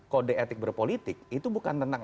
kode etik berpolitik itu bukan tentang